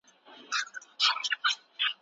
زاړه باورونه تر نویو ایډیالوژیو ډېر طبیعي وو.